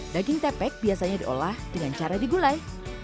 daging tepek biasanya diolah dengan cara digulai